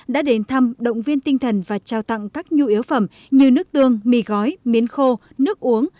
đã đến thăm động viên tinh thần và trao tặng các nhu yếu phẩm như nước tương mì gói miếng khô nước uống